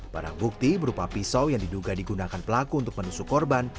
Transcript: barang bukti berupa pisau yang diduga digunakan pelaku untuk menusuk korban